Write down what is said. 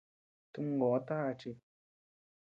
Tumgoʼo taka chi.